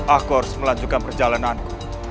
aku harus melanjutkan perjalananku